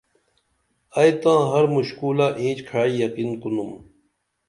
ائی تاں ہر مُشکُلہ اینچ کھاعی یقین کُنُم